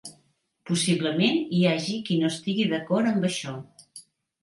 Possiblement hi hagi qui no estigui d'acord amb això.